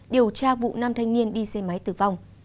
điều tra vụ năm thanh niên đi xe máy tử vong